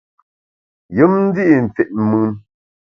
Yùm ndi’ fit mùn.